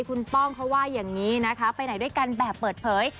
คุณป้องเขาว่าอย่างนี้นะคะไปไหนด้วยกันแบบเปิดเผย